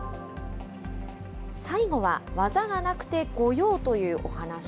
最後は技がなくて御用というお話。